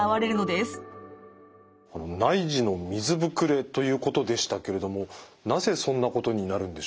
内耳の水ぶくれということでしたけれどもなぜそんなことになるんでしょうか？